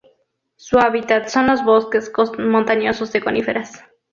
Su hábitat son los bosques montañosos de coníferas.